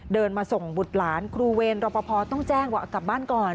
เดินมาส่งบุตรหลานครูเวรรอปภต้องแจ้งว่ากลับบ้านก่อน